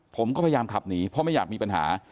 ผมก็พยายามขับหนีเพราะไม่อยากมีปัญหา